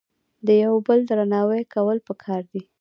د یو بل درناوی کول په کار دي